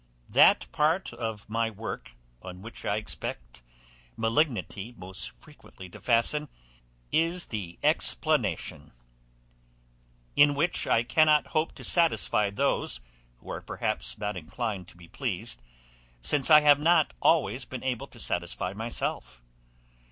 That part of my work on which I expect malignity most frequently to fasten, is the explanation; in which I cannot hope to satisfy those, who are perhaps not inclined to be pleased, since I have not always been able to satisfy myself.